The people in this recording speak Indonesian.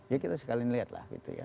ya kita sekalin lihat lah